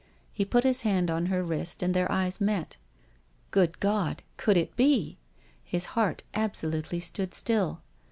He put his hand on her wrist, and their eyes met. Good God ! Could it be ? His heart absolutely stood still.